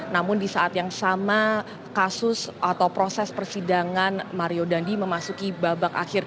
namun di saat yang sama kasus atau proses persidangan mario dandi memasuki babak akhir